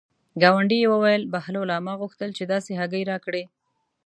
ګاونډي یې وویل: بهلوله ما غوښتل چې داسې هګۍ راکړې.